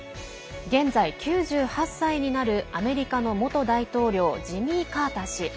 現在９８歳になるアメリカの元大統領ジミー・カーター氏。